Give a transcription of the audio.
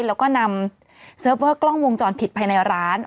แล้วก็นำเซิร์ฟเวอร์กล้องวงจรปิดภายในร้าน